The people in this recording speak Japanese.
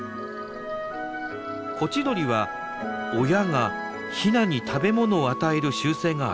コチドリは親がヒナに食べ物を与える習性がありません。